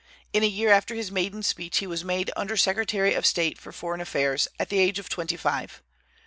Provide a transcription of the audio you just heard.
In a year after his maiden speech he was made under secretary of state for foreign affairs, at the age of twenty five.